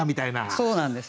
そうなんです。